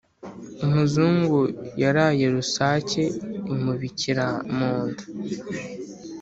Umuzungu Yaraye rusake imubikira munda.